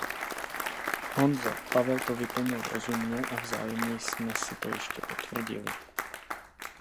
Honzo, Pavel to vyplnil rozumně a vzájemně jsme si to ještě potvrdili.